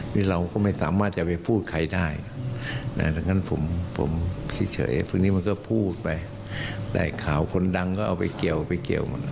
นี่เราก็ไม่สามารถจะไปพูดใครได้ดังนั้นผมเฉยพรุ่งนี้มันก็พูดไปแต่ข่าวคนดังก็เอาไปเกี่ยวไปเกี่ยวหมด